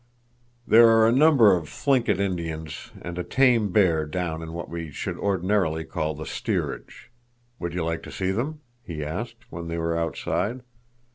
"There are a number of Thlinkit Indians and a tame bear down in what we should ordinarily call the steerage. Would you like to see them?" he asked, when they were outside.